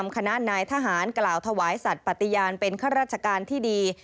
คณะนายทหารกล่าวถวายสัตว์ปฏิญาณเป็นข้าราชการที่ดี